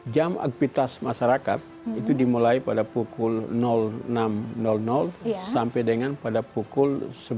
jam aktivitas masyarakat itu dimulai pada pukul enam sampai dengan pada pukul sebelas